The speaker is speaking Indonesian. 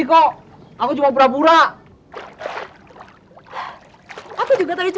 aku juga tadi coba pura pura kok